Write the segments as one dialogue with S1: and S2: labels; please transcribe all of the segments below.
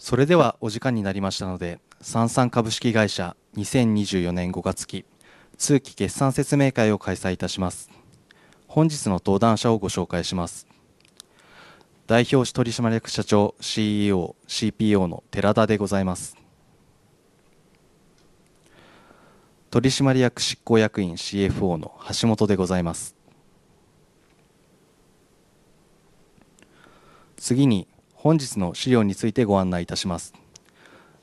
S1: それでは、お時間になりましたので、サンサン株式会社2024年5月期通期決算説明会を開催いたします。本日の登壇者をご紹介します。代表取締役社長 CEO、CPO の寺田でございます。取締役執行役員 CFO の橋本でございます。次に、本日の資料についてご案内いたします。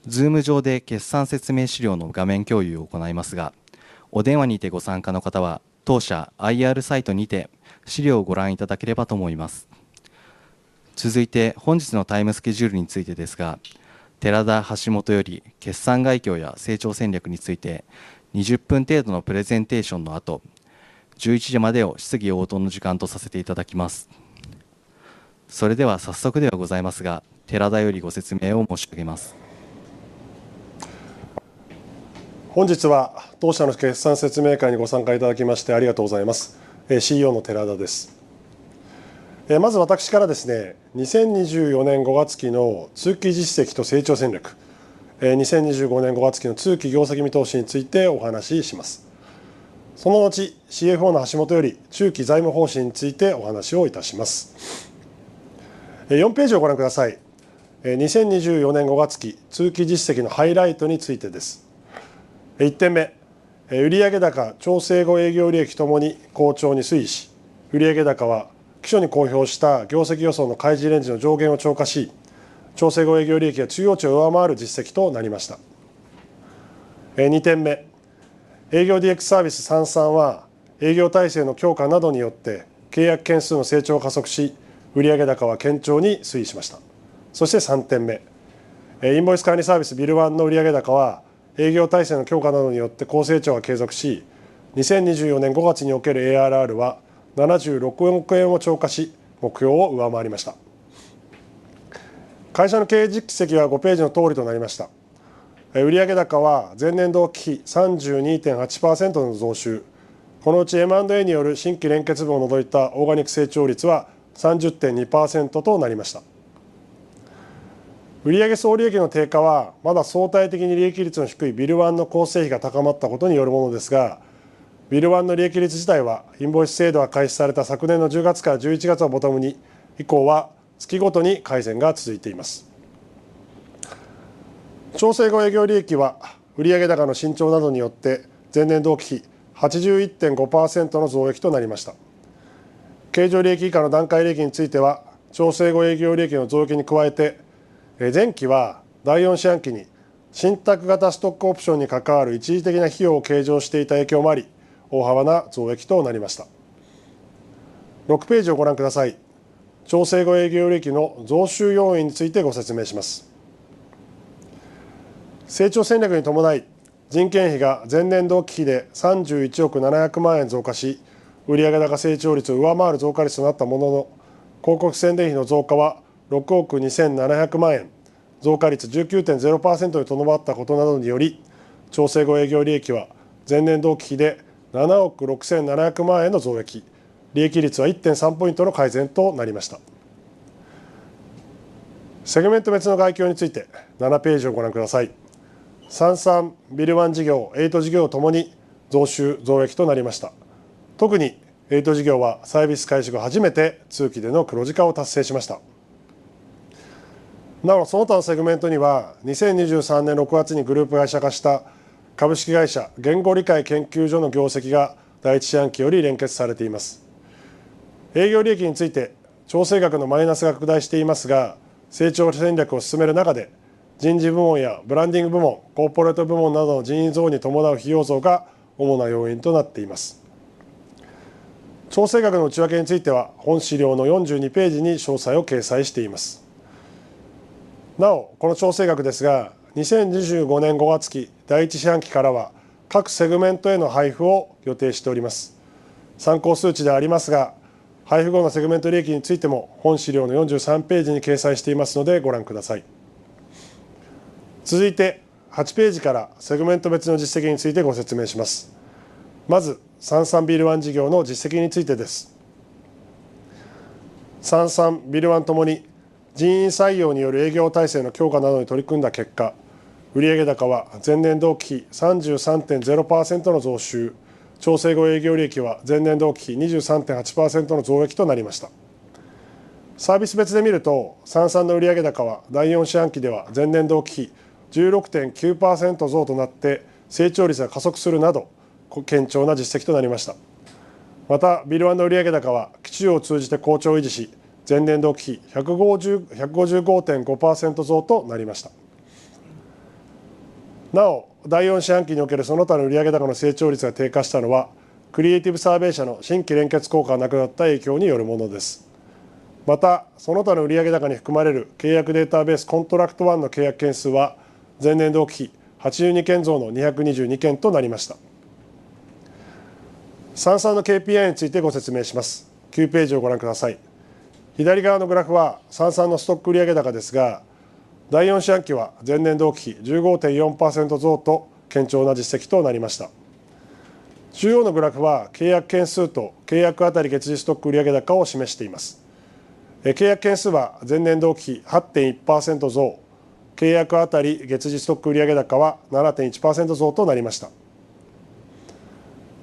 S1: ZOOM で決算説明資料の画面共有を行いますが、お電話にてご参加の方は当社 IR サイトにて資料をご覧いただければと思います。続いて、本日のタイムスケジュールについてですが、寺田、橋本より決算概況や成長戦略について20分程度のプレゼンテーションの後、11時までを質疑応答の時間とさせていただきます。それでは早速ではございますが、寺田よりご説明を申し上げます。
S2: 本日は当社の決算説明会にご参加いただきましてありがとうございます。CEO の寺田です。まず私からですね、2024年5月期の通期実績と成長戦略、2025年5月期の通期業績見通しについてお話しします。その後、CFO の橋本より中期財務方針についてお話をいたします。4ページをご覧ください。2024年5月期通期実績のハイライトについてです。1点目、売上高、調整後営業利益ともに好調に推移し、売上高は期初に公表した業績予想の開示レンジの上限を超過し、調整後営業利益は中央値を上回る実績となりました。2点目、営業 DX サービスサンサンは、営業体制の強化などによって契約件数の成長を加速し、売上高は堅調に推移しました。そして、3点目、インボイス管理サービス BILLONE の売上高は、営業体制の強化などによって高成長が継続し、2024年5月における ARR は76億円を超過し、目標を上回りました。会社の経営実績は5ページの通りとなりました。売上高は前年同期比 32.8% の増収。このうち M&A による新規連結部を除いたオーガニック成長率は 30.2% となりました。売上総利益の低下はまだ相対的に利益率の低い BILLONE の構成比が高まったことによるものですが、BILLONE の利益率自体はインボイス制度が開始された昨年の10月から11月をボトムに、以降は月ごとに改善が続いています。調整後、営業利益は売上高の伸長などによって前年同期比 81.5% の増益となりました。経常利益以下の段階利益については、調整後営業利益の増益に加えて、前期は第4四半期に信託型ストックオプションに関わる一時的な費用を計上していた影響もあり、大幅な増益となりました。6ページをご覧ください。調整後営業利益の増収要因についてご説明します。成長戦略に伴い、人件費が前年同期比で31億700万円増加し、売上高成長率を上回る増加率となったものの、広告宣伝費の増加は6億2700万円、増加率 19.0% にとどまったことなどにより、調整後営業利益は前年同期比で7億6700万円の増益、利益率は 1.3 ポイントの改善となりました。セグメント別の概況について7ページをご覧ください。サンサン、BILLONE 事業、エイト事業ともに増収増益となりました。特にエイト事業はサービス開始後、初めて通期での黒字化を達成しました。なお、その他のセグメントには、2023年6月にグループ会社化した株式会社言語理解研究所の業績が第1四半期より連結されています。営業利益について調整額のマイナスが拡大していますが、成長戦略を進める中で、人事部門やブランディング部門、コーポレート部門などの人員増に伴う費用増が主な要因となっています。調整額の内訳については、本資料の42ページに詳細を掲載しています。なお、この調整額ですが、2025年5月期第1四半期からは各セグメントへの配付を予定しております。参考数値でありますが、配付後のセグメント利益についても本資料の43ページに掲載していますのでご覧ください。続いて、8ページからセグメント別の実績についてご説明します。まず、サンサン BILLONE 事業の実績についてです。サンサン BILLONE ともに人員採用による営業体制の強化などに取り組んだ結果、売上高は前年同期比 33.0% の増収、調整後営業利益は前年同期比 23.8% の増益となりました。サービス別で見ると、サンサンの売上高は第4四半期では前年同期比 16.9% 増となって成長率が加速するなど、堅調な実績となりました。また、BILLONE の売上高は期中を通じて好調を維持し、前年同期比 155.5% 増となりました。なお、第4四半期におけるその他の売上高の成長率が低下したのは、クリエイティブサーベイ社の新規連結効果がなくなった影響によるものです。また、その他の売上高に含まれる契約データベースコントラクトワンの契約件数は前年同期比82件増の222件となりました。サンサンの KPI についてご説明します。9ページをご覧ください。左側のグラフはサンサンのストック売上高ですが、第4四半期は前年同期比 15.4% 増と堅調な実績となりました。中央のグラフは契約件数と契約あたり月次ストック売上高を示しています。契約件数は前年同期比 8.1% 増、契約あたり月次ストック売上高は 7.1% 増となりました。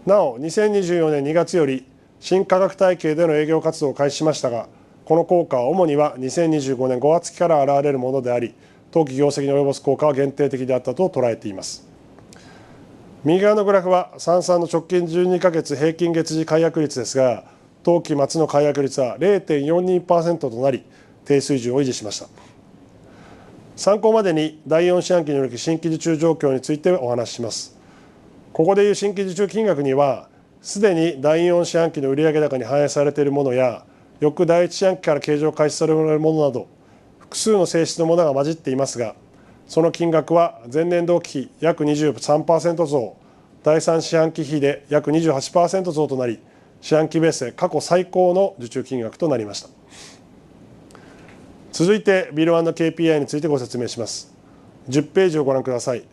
S2: なお、2024年2月より新価格体系での営業活動を開始しましたが、この効果は主には2025年5月期から現れるものであり、当期業績に及ぼす効果は限定的であったと捉えています。右側のグラフはサンサンの直近12ヶ月平均月次解約率ですが、当期末の解約率は 0.42% となり、低水準を維持しました。参考までに、第4四半期における新規受注状況についてお話しします。ここでいう新規受注金額には、すでに第4四半期の売上高に反映されているものや、翌第1四半期から計上開始されるものなど、複数の性質のものが混じっていますが、その金額は前年同期比約 23% 増、第3四半期比で約 28% 増となり、四半期ベースで過去最高の受注金額となりました。続いて、BILL ONE の KPI についてご説明します。10ページをご覧ください。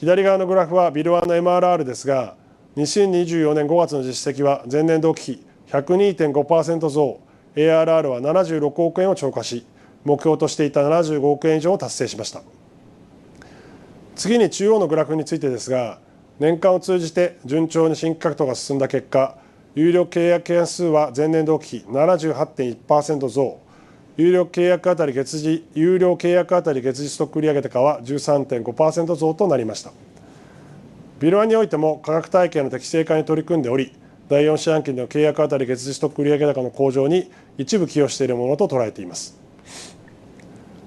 S2: 左側のグラフは BILL ONE の MRR ですが、2024年5月の実績は前年同期比 102.5% 増、ARR は76億円を超過し、目標としていた75億円以上を達成しました。次に中央のグラフについてですが、年間を通じて順調に新規獲得が進んだ結果、有料契約件数は前年同期比 78.1% 増、有料契約あたり月次ストック売上高は 13.5% 増となりました。ビルワンにおいても価格体系の適正化に取り組んでおり、第4四半期での契約あたり月次ストック売上高の向上に一部寄与しているものと捉えています。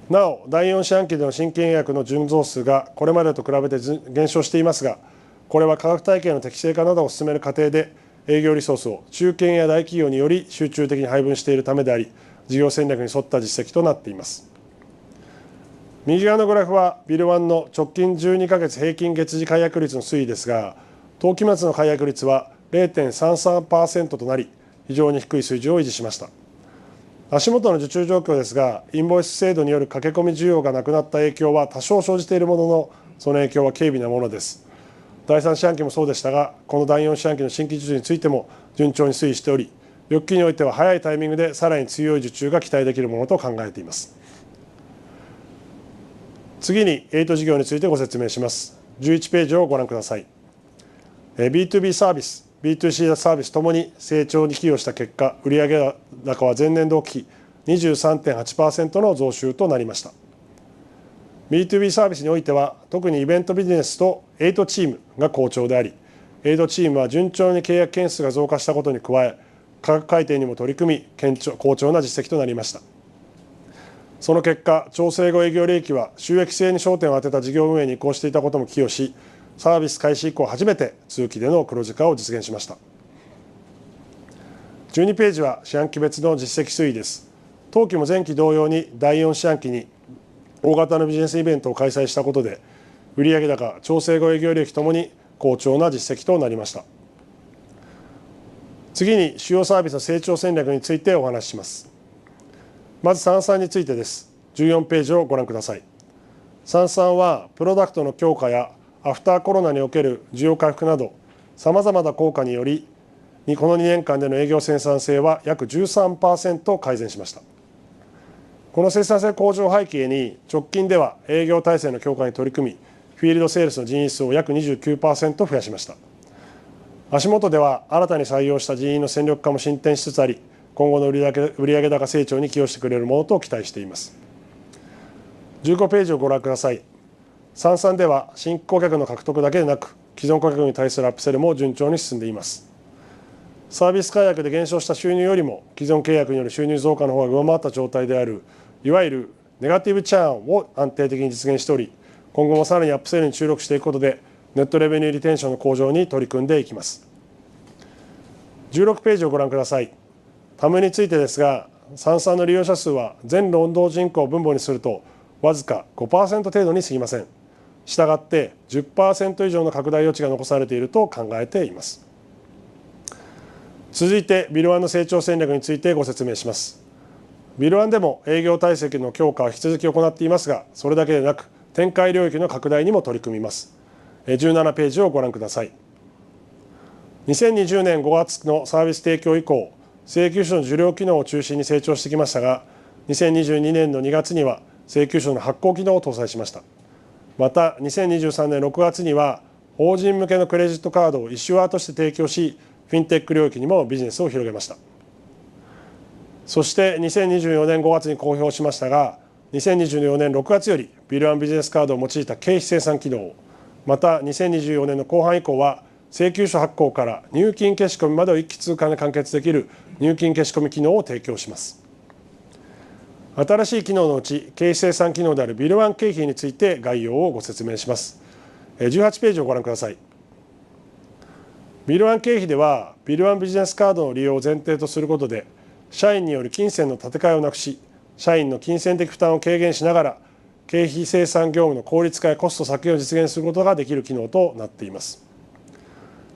S2: なお、第4四半期での新規契約の純増数がこれまでと比べて減少していますが、これは価格体系の適正化などを進める過程で、営業リソースを中堅や大企業により集中的に配分しているためであり、事業戦略に沿った実績となっています。右側のグラフは、BILL ONE の直近12ヶ月平均月次解約率の推移ですが、当期末の解約率は 0.33% となり、非常に低い水準を維持しました。足元の受注状況ですが、インボイス制度による駆け込み需要がなくなった影響は多少生じているものの、その影響は軽微なものです。第3四半期もそうでしたが、この第4四半期の新規受注についても順調に推移しており、翌期においては早いタイミングでさらに強い受注が期待できるものと考えています。次にエイト事業についてご説明します。11ページをご覧ください。BTOB サービス、BTOC サービスともに成長に寄与した結果、売上高は前年同期比 23.8% の増収となりました。BTOB サービスにおいては、特にイベントビジネスとエイトチームが好調であり、エイトチームは順調に契約件数が増加したことに加え、価格改定にも取り組み、好調な実績となりました。その結果、調整後営業利益は収益性に焦点を当てた事業運営に移行していたことも寄与し、サービス開始以降初めて通期での黒字化を実現しました。12ページは四半期別の実績推移です。当期も前期同様に第4四半期に大型のビジネスイベントを開催したことで、売上高、調整後営業利益ともに好調な実績となりました。次に、主要サービスの成長戦略についてお話しします。まず、サンサンについてです。14ページをご覧ください。サンサンはプロダクトの強化やアフターコロナにおける需要回復など、様々な効果により、この2年間での営業生産性は約 13% 改善しました。この生産性向上を背景に、直近では営業体制の強化に取り組み、フィールドセールスの人員数を約 29% 増やしました。足元では新たに採用した人員の戦力化も進展しつつあり、今後の売上高成長に寄与してくれるものと期待しています。15ページをご覧ください。サンサンでは新顧客の獲得だけでなく、既存顧客に対するアップセルも順調に進んでいます。サービス改定で減少した収入よりも、既存契約による収入増加の方が上回った状態である、いわゆるネガティブチャーンを安定的に実現しており、今後もさらにアップセルに注力していくことで、ネットレベニューリテンションの向上に取り組んでいきます。16ページをご覧ください。タムについてですが、サンサンの利用者数は全労働人口を分母にするとわずか 5% 程度に過ぎません。したがって、10% 以上の拡大余地が残されていると考えています。続いて、BILL ONE の成長戦略についてご説明します。BILL ONE でも営業体制の強化は引き続き行っていますが、それだけでなく、展開領域の拡大にも取り組みます。17ページをご覧ください。2020年5月のサービス提供以降、請求書の受領機能を中心に成長してきましたが、2022年の2月には請求書の発行機能を搭載しました。また、2023年6月には法人向けのクレジットカードをイシュアーとして提供し、フィンテック領域にもビジネスを広げました。そして、2024年5月に公表しましたが、2024年6月より BILL ONE ビジネスカードを用いた経費精算機能、また2024年の後半以降は、請求書発行から入金消込までを一気通貫で完結できる入金消込機能を提供します。新しい機能のうち、経費精算機能である BILL ONE 経費について概要をご説明します。18ページをご覧ください。BILL ONE 経費では、BILL ONE ビジネスカードの利用を前提とすることで、社員による金銭の立て替えをなくし、社員の金銭的負担を軽減しながら、経費精算業務の効率化やコスト削減を実現することができる機能となっています。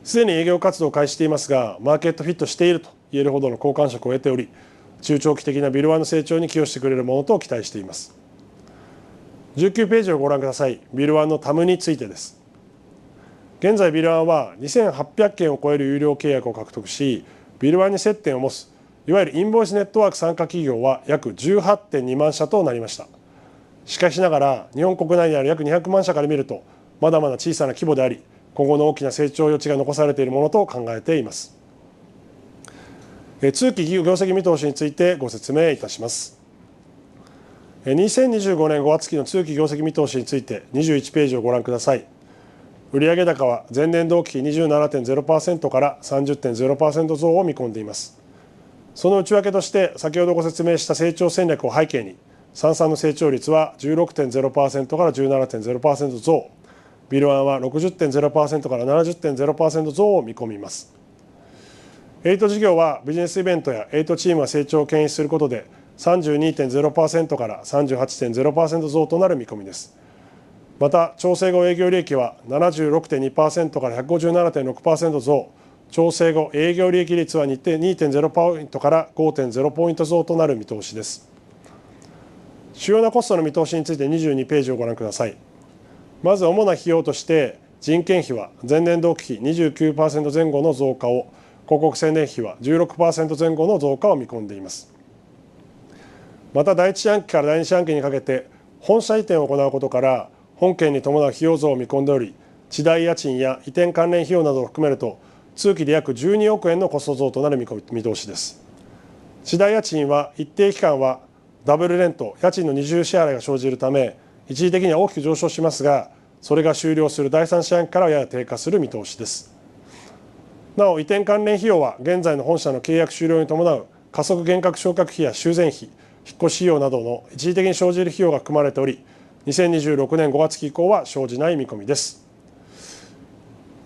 S2: すでに営業活動を開始していますが、マーケットフィットしていると言えるほどの好感触を得ており、中長期的な BILL ONE の成長に寄与してくれるものと期待しています。19ページをご覧ください。ビルワンの TAM についてです。現在、ビルワンは 2,800 件を超える有料契約を獲得し、ビルワンに接点を持ついわゆるインボイスネットワーク参加企業は約 18.2 万社となりました。しかしながら、日本国内にある約200万社から見ると、まだまだ小さな規模であり、今後の大きな成長余地が残されているものと考えています。通期業績見通しについてご説明いたします。2025年5月期の通期業績見通しについて、21ページをご覧ください。売上高は前年同期比 27.0% から 30.0% 増を見込んでいます。その内訳として、先ほどご説明した成長戦略を背景に、サンサンの成長率は 16.0% から 17.0% 増、ビルワンは 60.0% から 70.0% 増を見込みます。エイト事業は、ビジネスイベントやエイトチームが成長を牽引することで、32.0% から 38.0% 増となる見込みです。また、調整後営業利益は 76.2% から 157.6% 増、調整後営業利益率は 2.0 ポイントから 5.0 ポイント増となる見通しです。主要なコストの見通しについて22ページをご覧ください。まず、主な費用として、人件費は前年同期比 29% 前後の増加を、広告宣伝費は 16% 前後の増加を見込んでいます。また、第一四半期から第二四半期にかけて本社移転を行うことから、本件に伴う費用増を見込んでおり、地代、家賃や移転関連費用などを含めると、通期で約 ¥12 億円のコスト増となる見込み見通しです。地代家賃は一定期間はダブルレント、家賃の二重支払いが生じるため、一時的には大きく上昇しますが、それが終了する第三四半期からはやや低下する見通しです。なお、移転関連費用は現在の本社の契約終了に伴う加速減価償却費や修繕費、引っ越し費用などの一時的に生じる費用が含まれており、2026年5月期以降は生じない見込みです。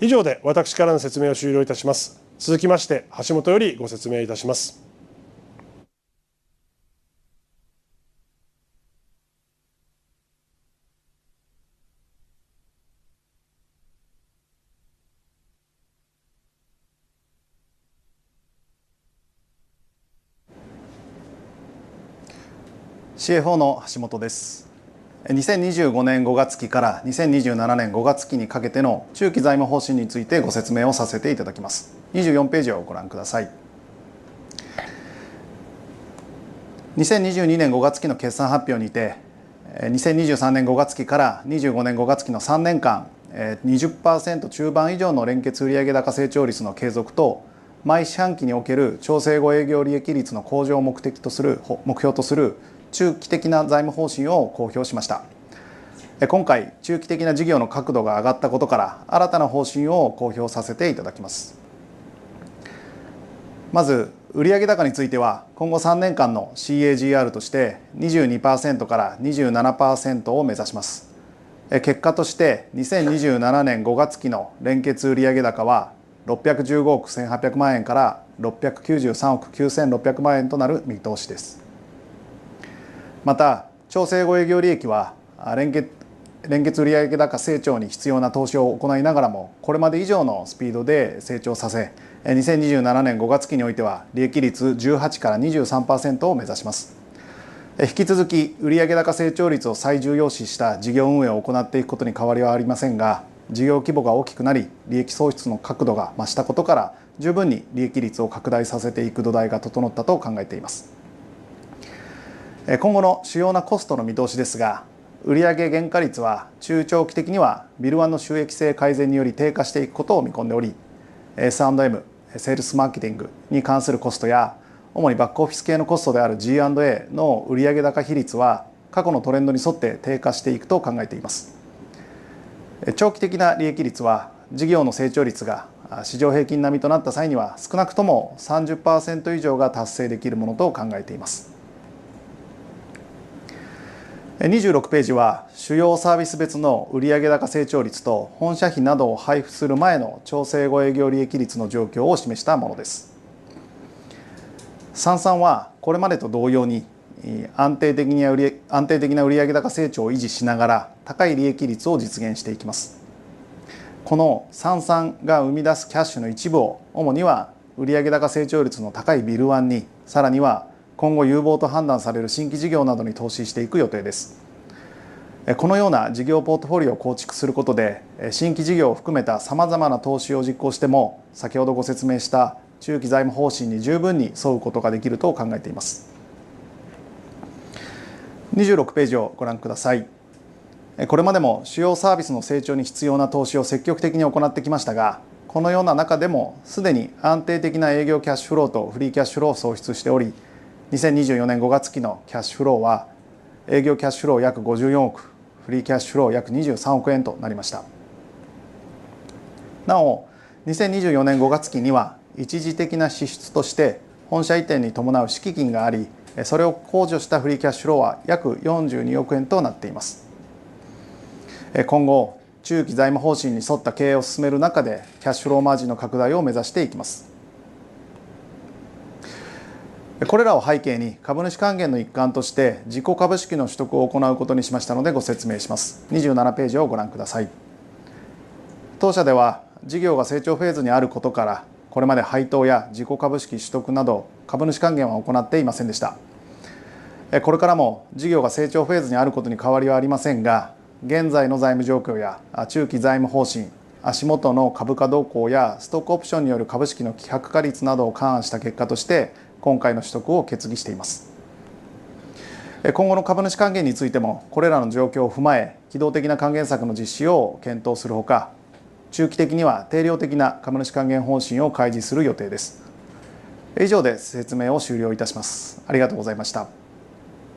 S2: 以上で私からの説明を終了いたします。続きまして、橋本よりご説明いたします。
S3: CFO の橋本です。2025年5月期から2027年5月期にかけての中期財務方針についてご説明をさせていただきます。24ページをご覧ください。2022年5月期の決算発表にて、2023年5月期から25年5月期の3年間、20% 中盤以上の連結売上高成長率の継続と、毎四半期における調整後営業利益率の向上を目的とする中期的な財務方針を公表しました。今回、中期的な事業の確度が上がったことから、新たな方針を公表させていただきます。まず、売上高については、今後三年間の CAGR として 22% から 27% を目指します。結果として、2027年5月期の連結売上高は615億 1,800 万円から693億 9,600 万円となる見通しです。また、調整後営業利益は連結売上高成長に必要な投資を行いながらも、これまで以上のスピードで成長させ、2027年5月期においては利益率 18% から 23% を目指します。引き続き、売上高成長率を最重要視した事業運営を行っていくことに変わりはありませんが、事業規模が大きくなり、利益創出の確度が増したことから、十分に利益率を拡大させていく土台が整ったと考えています。今後の主要なコストの見通しですが、売上原価率は中長期的にはビルワンの収益性改善により低下していくことを見込んでおり、S&M セールスマーケティングに関するコストや、主にバックオフィス系のコストである G&A の売上高比率は過去のトレンドに沿って低下していくと考えています。長期的な利益率は、事業の成長率が市場平均並みとなった際には、少なくとも 30% 以上が達成できるものと考えています。26ページは、主要サービス別の売上高成長率と本社費などを配布する前の調整後営業利益率の状況を示したものです。サンサンはこれまでと同様に、安定的な売上高成長を維持しながら、高い利益率を実現していきます。このサンサンが生み出すキャッシュの一部を、主には売上高成長率の高いビルワンに、さらには今後有望と判断される新規事業などに投資していく予定です。このような事業ポートフォリオを構築することで、新規事業を含めた様々な投資を実行しても、先ほどご説明した中期財務方針に十分に沿うことができると考えています。26ページをご覧ください。これまでも主要サービスの成長に必要な投資を積極的に行ってきましたが、このような中でもすでに安定的な営業キャッシュフローとフリーキャッシュフローを創出しており、2024年5月期のキャッシュフローは営業キャッシュフロー約 ¥5,400,000,000、フリーキャッシュフロー約 ¥2,300,000,000 となりました。なお、2024年5月期には一時的な支出として本社移転に伴う敷金があり、それを控除したフリーキャッシュフローは約 ¥4.2 億となっています。今後、中期財務方針に沿った経営を進める中で、キャッシュフローマージンの拡大を目指していきます。これらを背景に、株主還元の一環として自己株式の取得を行うことにしましたのでご説明します。二十七ページをご覧ください。当社では事業が成長フェーズにあることから、これまで配当や自己株式取得など株主還元は行っていませんでした。これからも事業が成長フェーズにあることに変わりはありませんが、現在の財務状況や中期財務方針、足元の株価動向やストックオプションによる株式の希薄化率などを勘案した結果として、今回の取得を決議しています。今後の株主還元についても、これらの状況を踏まえ、機動的な還元策の実施を検討するほか、中期的には定量的な株主還元方針を開示する予定です。以上で説明を終了いたします。ありがとうございました。